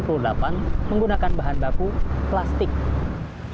sedotan ini dianggap sebagai alat bantu memiliki kekuatannya yang berbeda